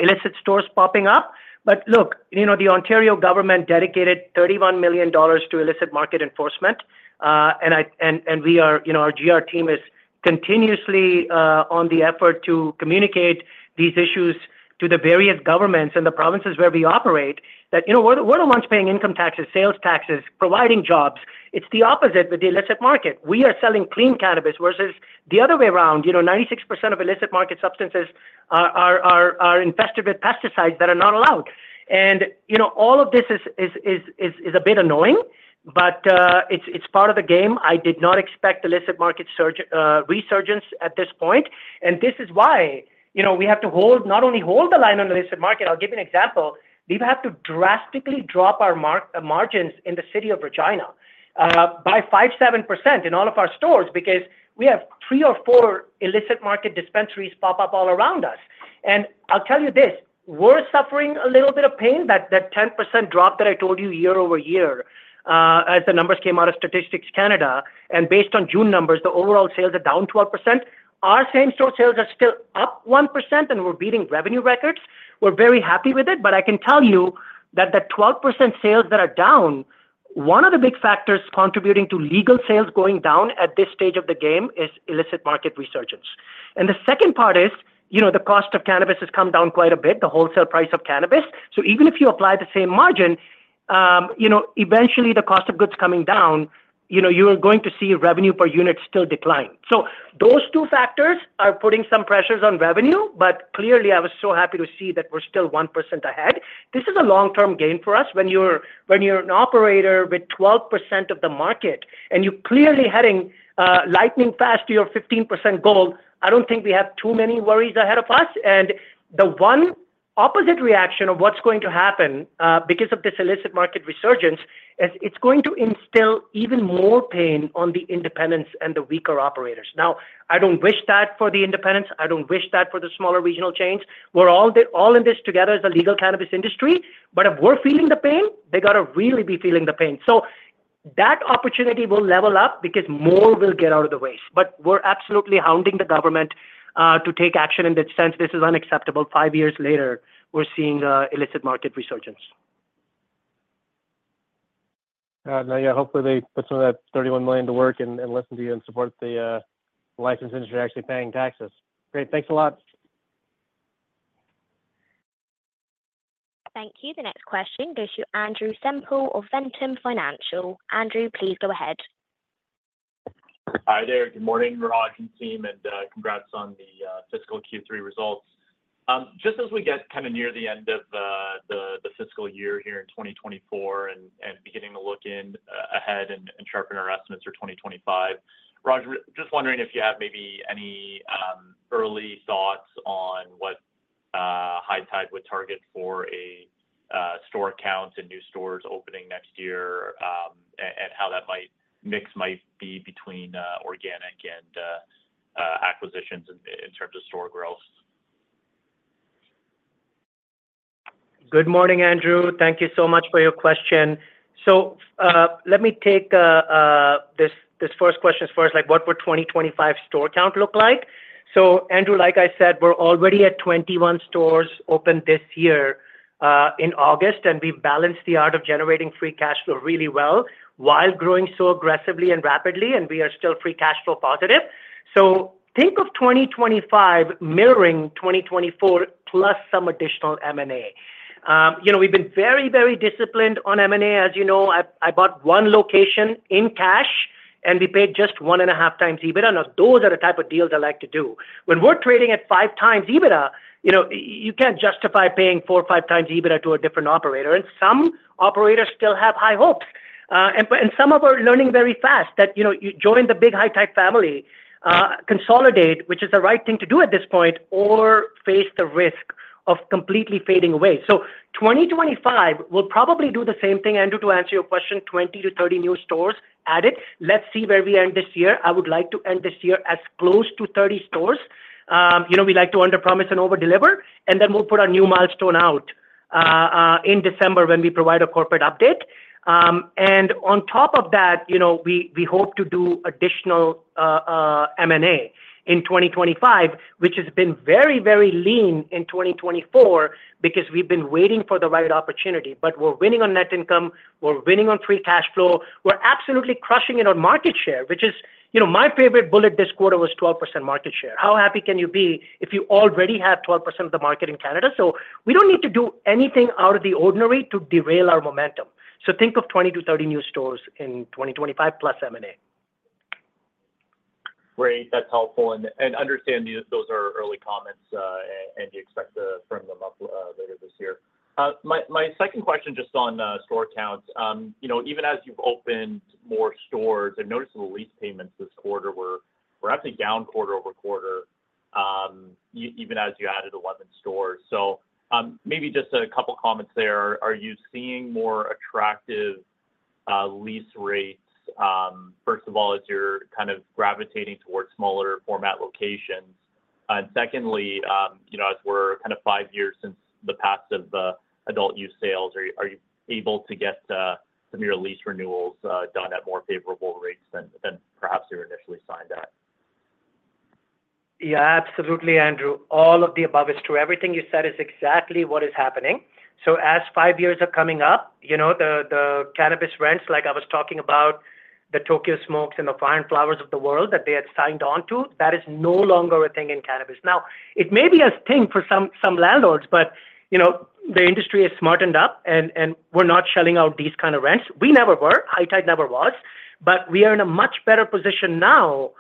illicit stores popping up. But look, you know, the Ontario government dedicated 31 million dollars to illicit market enforcement, and we are, you know, our GR team is continuously on the effort to communicate these issues to the various governments and the provinces where we operate, that, you know, we're the ones paying income taxes, sales taxes, providing jobs. It's the opposite with the illicit market. We are selling clean cannabis versus the other way around. You know, 96% of illicit market substances are infested with pesticides that are not allowed. You know, all of this is a bit annoying, but it's part of the game. I did not expect illicit market surge, resurgence at this point, and this is why, you know, we have to hold, not only hold the line on the illicit market. I'll give you an example. We've had to drastically drop our margins in the city of Regina by 5-7% in all of our stores because we have three or four illicit market dispensaries pop up all around us. And I'll tell you this, we're suffering a little bit of pain. That 10% drop that I told you year-over-year, as the numbers came out of Statistics Canada, and based on June numbers, the overall sales are down 12%. Our same store sales are still up 1%, and we're beating revenue records. We're very happy with it, but I can tell you that the 12% sales that are down, one of the big factors contributing to legal sales going down at this stage of the game is illicit market resurgence, and the second part is, you know, the cost of cannabis has come down quite a bit, the wholesale price of cannabis. So even if you apply the same margin, you know, eventually the cost of goods coming down, you know, you are going to see revenue per unit still decline, so those two factors are putting some pressures on revenue, but clearly I was so happy to see that we're still 1% ahead. This is a long-term gain for us. When you're an operator with 12% of the market and you're clearly heading lightning fast to your 15% goal, I don't think we have too many worries ahead of us. And the one opposite reaction of what's going to happen because of this illicit market resurgence is it's going to instill even more pain on the independents and the weaker operators. Now, I don't wish that for the independents. I don't wish that for the smaller regional chains. We're all in, all in this together as a legal cannabis industry, but if we're feeling the pain, they got to really be feeling the pain. So that opportunity will level up because more will get out of the way. But we're absolutely hounding the government to take action in that sense. This is unacceptable. Five years later, we're seeing illicit market resurgence. Hopefully they put some of that 31 million to work and and listen to you and support the licensed industry actually paying taxes. Great. Thanks a lot. Thank you. The next question goes to Andrew Semple of Ventum Financial. Andrew, please go ahead. Hi there. Good morning, Raj and team, and congrats on the fiscal Q3 results. Just as we get kind of near the end of the fiscal year here in 2024 and beginning to look ahead and sharpen our estimates for 2025, Raj, just wondering if you have maybe any early thoughts on what High Tide would target for a store count and new stores opening next year, and how that mix might be between organic and acquisitions in terms of store growth? Good morning, Andrew. Thank you so much for your question. Let me take this first question as far as like, what would 2025 store count look like? Andrew, like I said, we're already at 21 stores open this year in August, and we've balanced the art of generating free cash flow really well while growing so aggressively and rapidly, and we are still free cash flow positive. Think of 2025 mirroring 2024, plus some additional M&A. You know, we've been very, very disciplined on M&A. As you know, I bought one location in cash, and we paid just 1.5x EBITDA. Now, those are the type of deals I like to do. When we're trading at 5x EBITDA, you know, you can't justify paying four or five times EBITDA to a different operator, and some operators still have high hopes. And some of them are learning very fast that, you know, you join the big High Tide family, consolidate, which is the right thing to do at this point, or face the risk of completely fading away. So 2025, we'll probably do the same thing, Andrew, to answer your question, 20 to 30 new stores added. Let's see where we end this year. I would like to end this year as close to 30 stores. You know, we like to underpromise and overdeliver, and then we'll put our new milestone out, in December when we provide a corporate update. And on top of that, you know, we hope to do additional M&A in 2025, which has been very, very lean in 2024 because we've been waiting for the right opportunity. But we're winning on net income, we're winning on free cash flow. We're absolutely crushing it on market share, which is, you know, my favorite bullet this quarter was 12% market share. How happy can you be if you already have 12% of the market in Canada? So we don't need to do anything out of the ordinary to derail our momentum. So think of 20 to 30 new stores in 2025, plus M&A. Great, that's helpful. And understand these, those are early comments, and you expect to firm them up later this year. My second question, just on store counts. You know, even as you've opened more stores, I've noticed the lease payments this quarter were actually down quarter over quarter, even as you added 11 stores. So, maybe just a couple of comments there. Are you seeing more attractive lease rates, first of all, as you're kind of gravitating towards smaller format locations? And secondly, you know, as we're kind of five years since the passage of the adult-use sales, are you able to get some of your lease renewals done at more favorable rates than perhaps you initially signed at? Yeah, absolutely, Andrew. All of the above is true. Everything you said is exactly what is happening. So as five years are coming up, you know, the cannabis rents, like I was talking about, the Tokyo Smoke and the Fire & Flowers of the world that they had signed on to, that is no longer a thing in cannabis. Now, it may be a thing for some landlords, but, you know, the industry has smartened up and we're not shelling out these kind of rents. We never were. High Tide never was, but we are in a much better position now,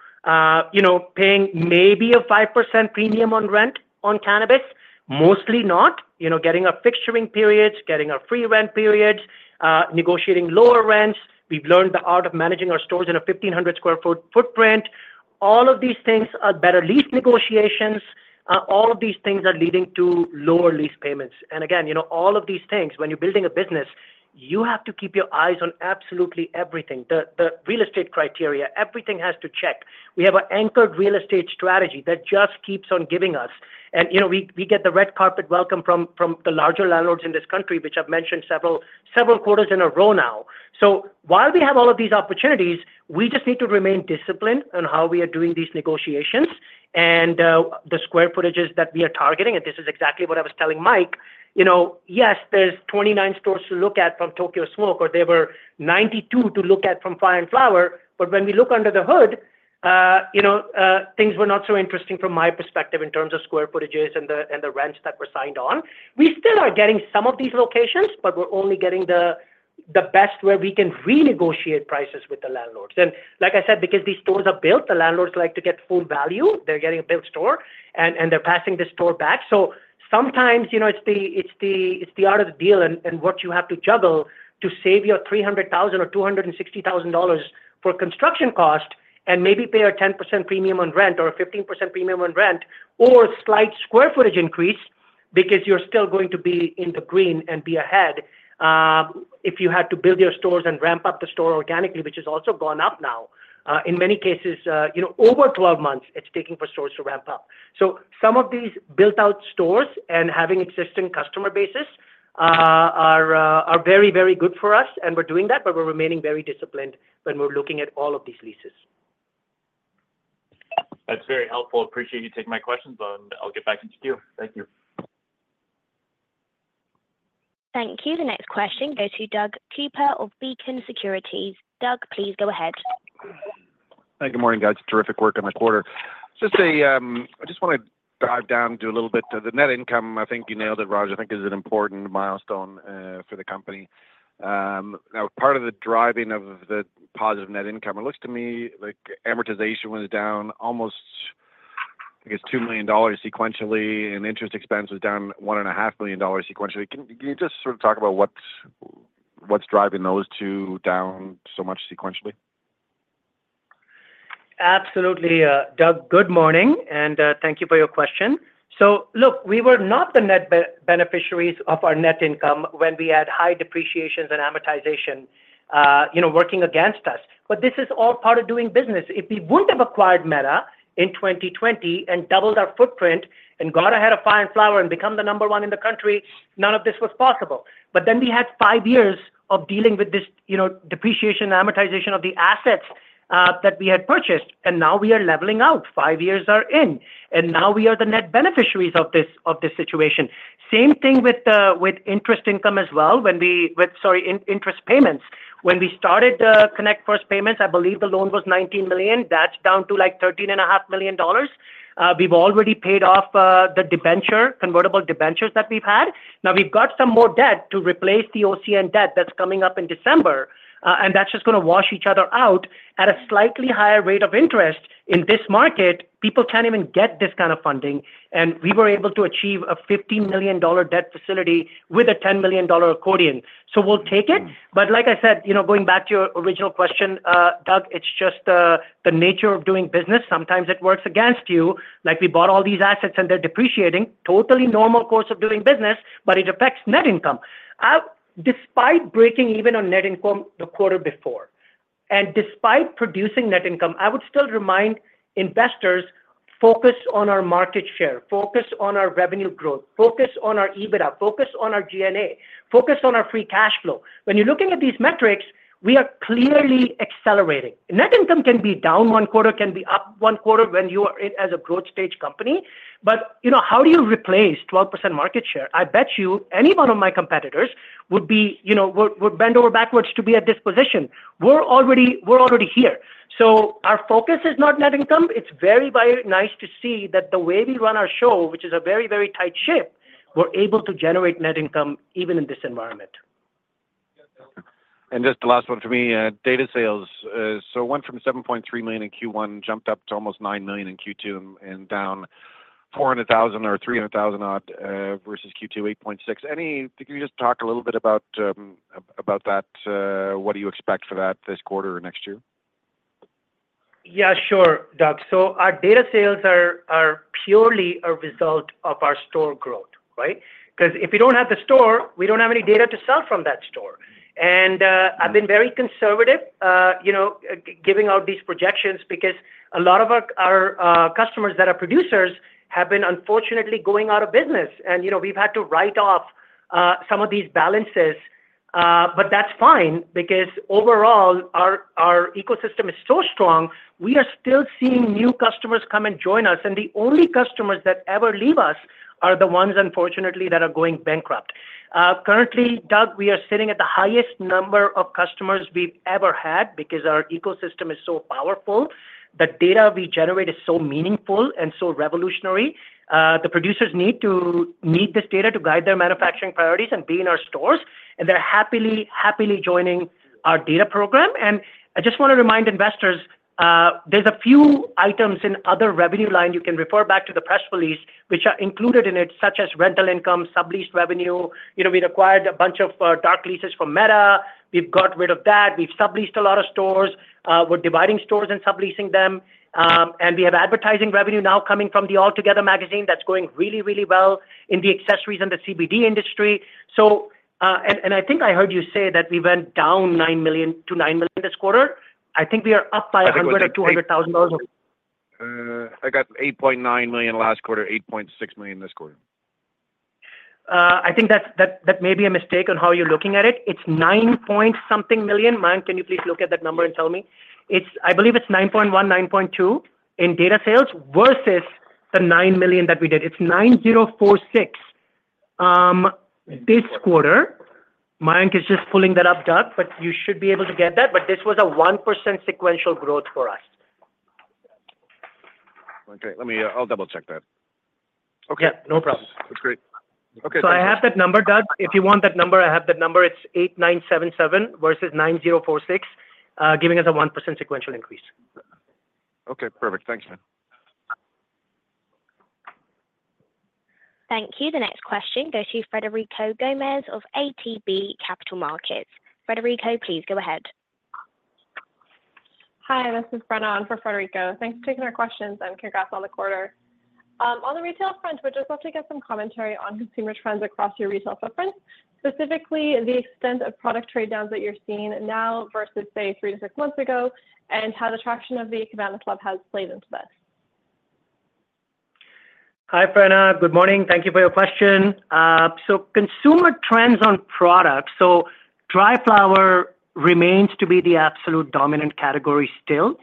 you know, paying maybe a 5% premium on rent on cannabis, mostly not, you know, getting our fixturing periods, getting our free rent periods, negotiating lower rents. We've learned the art of managing our stores in a 1,500 sq ft footprint. All of these things are better. Lease negotiations, all of these things are leading to lower lease payments. And again, you know, all of these things, when you're building a business, you have to keep your eyes on absolutely everything. The real estate criteria, everything has to check. We have an anchored real estate strategy that just keeps on giving us. And, you know, we get the red carpet welcome from the larger landlords in this country, which I've mentioned several quarters in a row now. So while we have all of these opportunities, we just need to remain disciplined on how we are doing these negotiations and the square footages that we are targeting, and this is exactly what I was telling Mike. You know, yes, there's 29 stores to look at from Tokyo Smoke, or there were 92 to look at from Fire & Flower, but when we look under the hood, things were not so interesting from my perspective in terms of square footages and the rents that were signed on. We still are getting some of these locations, but we're only getting the best where we can renegotiate prices with the landlords. And like I said, because these stores are built, the landlords like to get full value. They're getting a built store, and they're passing the store back. Sometimes, you know, it's the art of the deal and what you have to juggle to save your 300,000 or 260,000 dollars for construction cost and maybe pay a 10% premium on rent or a 15% premium on rent, or a slight square footage increase because you're still going to be in the green and be ahead, if you had to build your stores and ramp up the store organically, which has also gone up now. In many cases, you know, over 12 months, it's taking for stores to ramp up. So some of these built-out stores and having existing customer bases are very, very good for us, and we're doing that, but we're remaining very disciplined when we're looking at all of these leases. That's very helpful. Appreciate you taking my questions, and I'll get back into queue. Thank you. Thank you. The next question goes to Doug Cooper of Beacon Securities. Doug, please go ahead. Thank you. Good morning, guys. Terrific work on the quarter. Just a, I just wanna dive down into a little bit to the net income. I think you nailed it, Raj. I think this is an important milestone for the company. Now, part of the driving of the positive net income, it looks to me like amortization was down almost, I guess, 2 million dollars sequentially, and interest expense was down 1.5 million dollars sequentially. Can you just sort of talk about what's driving those two down so much sequentially? Absolutely, Doug. Good morning, and thank you for your question. So look, we were not the net beneficiaries of our net income when we had high depreciations and amortization, you know, working against us, but this is all part of doing business. If we wouldn't have acquired Meta in 2020 and doubled our footprint and got ahead of Fire & Flower and become the number one in the country, none of this was possible. But then we had five years of dealing with this, you know, depreciation and amortization of the assets that we had purchased, and now we are leveling out. Five years are in, and now we are the net beneficiaries of this, of this situation. Same thing with interest income as well, when we... With, sorry, interest payments. When we started the Connect First payments, I believe the loan was 19 million. That's down to, like, 13.5 million dollars. We've already paid off the debenture, convertible debentures that we've had. Now, we've got some more debt to replace the OCN debt that's coming up in December, and that's just gonna wash each other out at a slightly higher rate of interest. In this market, people can't even get this kind of funding, and we were able to achieve a 50 million dollar debt facility with a 10 million dollar accordion. So we'll take it, but like I said, you know, going back to your original question, Doug, it's just the nature of doing business. Sometimes it works against you, like we bought all these assets and they're depreciating, totally normal course of doing business, but it affects net income. Despite breaking even on net income the quarter before, and despite producing net income, I would still remind investors, focus on our market share, focus on our revenue growth, focus on our EBITDA, focus on our G&A, focus on our free cash flow. When you're looking at these metrics, we are clearly accelerating. Net income can be down one quarter, can be up one quarter when you are in as a growth stage company, but, you know, how do you replace 12% market share? I bet you any one of my competitors would be, you know, bend over backwards to be at this position. We're already here. So our focus is not net income. It's very, very nice to see that the way we run our show, which is a very, very tight ship, we're able to generate net income even in this environment. Just the last one for me, data sales. So it went from 7.3 million in Q1, jumped up to almost 9 million in Q2, and down 400,000 or 300,000 odd versus Q2, 8.6 million. Anyway, can you just talk a little bit about that, what do you expect for that this quarter or next year? Yeah, sure, Doug. So our data sales are purely a result of our store growth, right? 'Cause if we don't have the store, we don't have any data to sell from that store. And I've been very conservative, you know, giving out these projections because a lot of our customers that are producers have been unfortunately going out of business. And, you know, we've had to write off some of these balances, but that's fine because overall, our ecosystem is so strong, we are still seeing new customers come and join us, and the only customers that ever leave us are the ones, unfortunately, that are going bankrupt. Currently, Doug, we are sitting at the highest number of customers we've ever had because our ecosystem is so powerful. The data we generate is so meaningful and so revolutionary. The producers need this data to guide their manufacturing priorities and be in our stores, and they're happily joining our data program. And I just wanna remind investors, there's a few items in other revenue line, you can refer back to the press release, which are included in it, such as rental income, subleased revenue. You know, we'd acquired a bunch of dark leases from Meta. We've got rid of that. We've subleased a lot of stores. We're dividing stores and subleasing them. And we have advertising revenue now coming from the Altogether Magazine that's going really well in the accessories and the CBD industry. So, and I think I heard you say that we went down nine million to nine million this quarter. I think we are up by- I think it was- 200,000 dollars. I got 8.9 million last quarter, 8.6 million this quarter. I think that's a mistake on how you're looking at it. It's CAD 9-point-something million. Mayank, can you please look at that number and tell me? I believe it's 9.1, 9.2 in data sales versus the 9 million that we did. It's 9,046. This quarter, Mayank is just pulling that up, Doug, but you should be able to get that, but this was a 1% sequential growth for us. Okay. Let me, I'll double-check that. Okay. Yeah, no problem. That's great. Okay. So I have that number, Doug. If you want that number, I have that number. It's 8,977 versus 9,046, giving us a 1% sequential increase. Okay, perfect. Thanks, man. Thank you. The next question goes to Frederico Gomes of ATB Capital Markets. Frederico, please go ahead. Hi, this is Brenna in for Frederico. Thanks for taking our questions, and congrats on the quarter. On the retail front, would just love to get some commentary on consumer trends across your retail footprint, specifically the extent of product trade downs that you're seeing now versus, say, three to six months ago, and how the traction of the Cabana Club has played into this. Hi, Brenna. Good morning. Thank you for your question. So consumer trends on products, so dry flower remains to be the absolute dominant category still.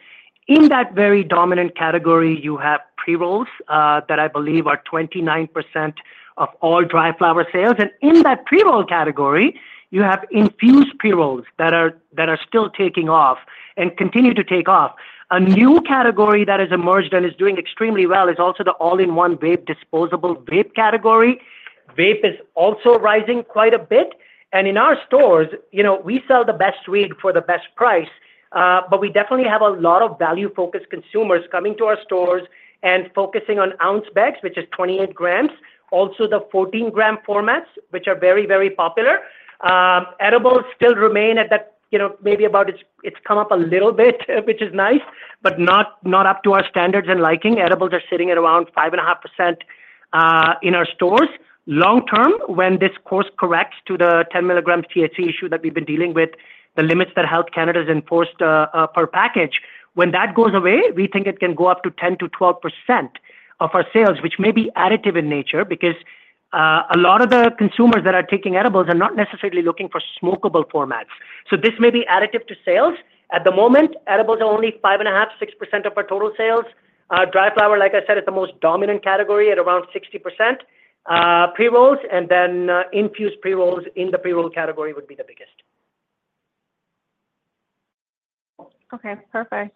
In that very dominant category, you have pre-rolls that I believe are 29% of all dry flower sales. And in that pre-roll category, you have infused pre-rolls that are still taking off and continue to take off. A new category that has emerged and is doing extremely well is also the all-in-one vape, disposable vape category. Vape is also rising quite a bit, and in our stores, you know, we sell the best weed for the best price, but we definitely have a lot of value-focused consumers coming to our stores and focusing on ounce bags, which is 28 grams. Also, the 14-gram formats, which are very, very popular. Edibles still remain at that, you know, maybe about it, it's come up a little bit, which is nice, but not up to our standards and liking. Edibles are sitting at around 5.5% in our stores. Long term, when this course corrects to the 10 milligrams THC issue that we've been dealing with, the limits that Health Canada's enforced per package, when that goes away, we think it can go up to 10%-12% of our sales, which may be additive in nature because a lot of the consumers that are taking edibles are not necessarily looking for smokable formats. So this may be additive to sales. At the moment, edibles are only 5.5%-6% of our total sales. Dry flower, like I said, is the most dominant category at around 60%, pre-rolls and then infused pre-rolls in the pre-roll category would be the biggest. Okay, perfect.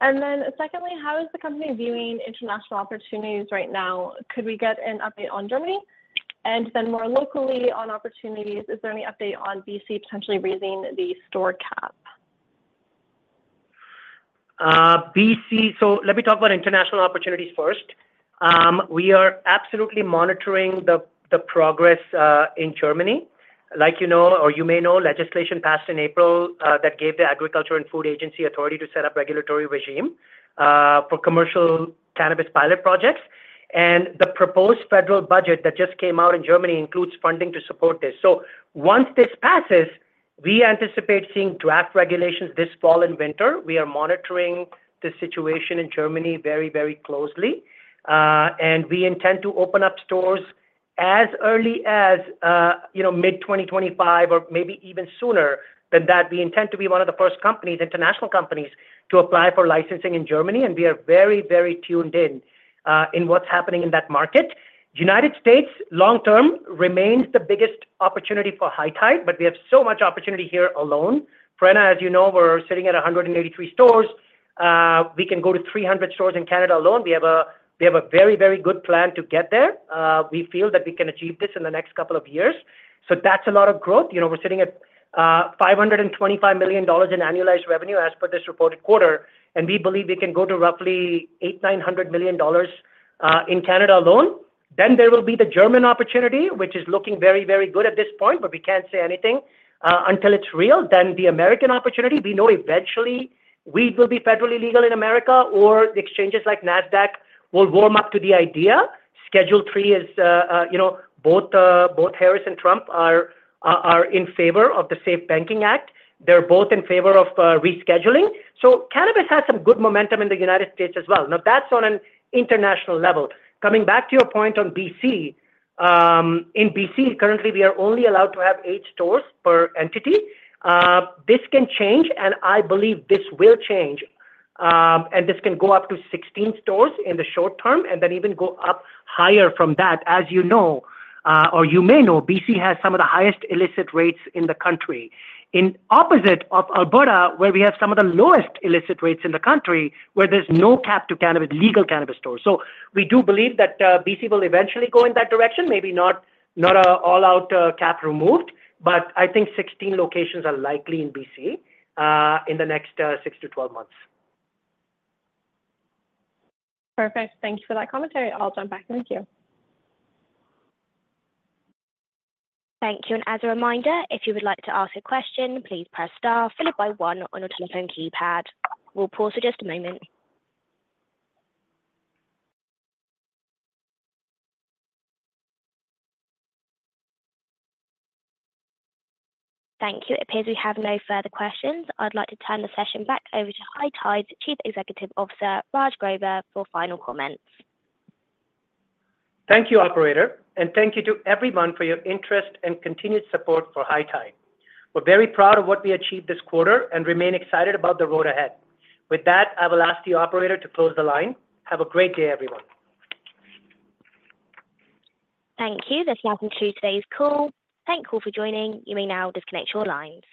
And then secondly, how is the company viewing international opportunities right now? Could we get an update on Germany? And then more locally on opportunities, is there any update on BC potentially raising the store cap? BC, so let me talk about international opportunities first. We are absolutely monitoring the progress in Germany. Like you know, or you may know, legislation passed in April that gave the Agriculture and Food Agency authority to set up regulatory regime for commercial cannabis pilot projects. And the proposed federal budget that just came out in Germany includes funding to support this. So once this passes, we anticipate seeing draft regulations this fall and winter. We are monitoring the situation in Germany very, very closely, and we intend to open up stores as early as you know, mid-2025 or maybe even sooner than that. We intend to be one of the first companies, international companies, to apply for licensing in Germany, and we are very, very tuned in to what's happening in that market. United States, long term, remains the biggest opportunity for High Tide, but we have so much opportunity here alone. Brenna, as you know, we're sitting at 183 stores. We can go to 300 stores in Canada alone. We have a very, very good plan to get there. We feel that we can achieve this in the next couple of years, so that's a lot of growth. You know, we're sitting at 525 million dollars in annualized revenue as per this reported quarter, and we believe we can go to roughly 800-900 million dollars in Canada alone. Then there will be the German opportunity, which is looking very, very good at this point, but we can't say anything until it's real. Then the American opportunity, we know eventually weed will be federally legal in America, or exchanges like NASDAQ will warm up to the idea. Schedule III is, you know, both Harris and Trump are in favor of the SAFE Banking Act. They're both in favor of rescheduling. So cannabis has some good momentum in the United States as well. Now, that's on an international level. Coming back to your point on BC, in BC, currently, we are only allowed to have eight stores per entity. This can change, and I believe this will change, and this can go up to 16 stores in the short term and then even go up higher from that. As you know, or you may know, BC has some of the highest illicit rates in the country. In opposition to Alberta, where we have some of the lowest illicit rates in the country, where there's no cap on legal cannabis stores. So we do believe that BC will eventually go in that direction. Maybe not an all-out cap removed, but I think 16 locations are likely in BC in the next 6-12 months. Perfect. Thank you for that commentary. I'll jump back. Thank you. Thank you, and as a reminder, if you would like to ask a question, please press star followed by one on your telephone keypad. We'll pause for just a moment. Thank you. It appears we have no further questions. I'd like to turn the session back over to High Tide's Chief Executive Officer, Raj Grover, for final comments. Thank you, operator, and thank you to everyone for your interest and continued support for High Tide. We're very proud of what we achieved this quarter and remain excited about the road ahead. With that, I will ask the operator to close the line. Have a great day, everyone. Thank you. This concludes today's call. Thank you for joining. You may now disconnect your line.